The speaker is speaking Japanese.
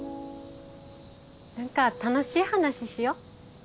何か楽しい話しよ。